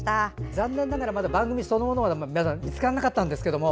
残念ながらまだ番組そのものは見つからなかったんですけど